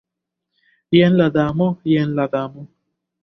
Jen la Damo, jen la Damo!